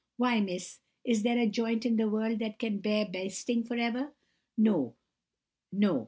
Why, miss, is there a joint in the world that can bear basting for ever? No, no!